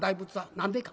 何でか。